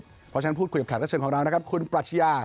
เพราะฉะนั้นพูดคุยกับแขกรับเชิญของเรานะครับคุณปรัชญา